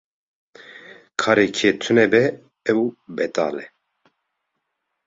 Karê kê tune be ew betal e.